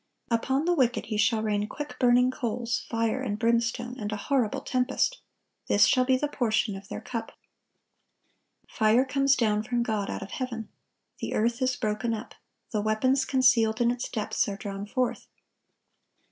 "Upon the wicked He shall rain quick burning coals, fire and brimstone, and a horrible tempest: this shall be the portion of their cup."(1166) Fire comes down from God out of heaven. The earth is broken up. The weapons concealed in its depths are drawn forth.